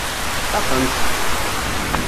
Axemt!